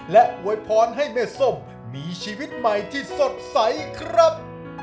และอวยพรให้แม่ส้มมีชีวิตใหม่ที่สดใสครับ